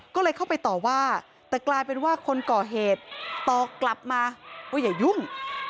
ก็เลยเข้าไปต่อว่าแต่กลายเป็นว่าคนก่อเหตุตอบกลับมาว่าอย่ายุ่ง